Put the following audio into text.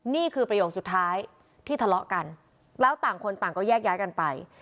นี่คือประโยคสุดท้ายที่ทะเลาะกันแล้วต่างคนต่างก็แยกย้ายกันไป